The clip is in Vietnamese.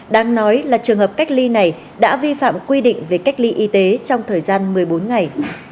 đang nói là trường hợp cách ly này đã vi phạm quy định về cách ly y tế trong thời gian một mươi bốn ngày